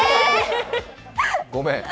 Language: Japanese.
ごめん。